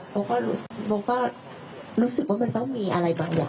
โบก็โบก็รู้สึกว่ามันต้องมีอะไรบางอย่างแค่นั้นแหละ